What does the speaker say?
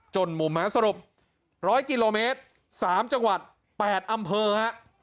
จนหมุมฮะสรุปร้อยกิโลเมตรสามจังหวัดแปดอำเภอฮะ